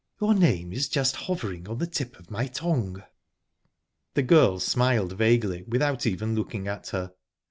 "Your name is just hovering on the tip of my tongue." The girl smiled vaguely, without even looking at her.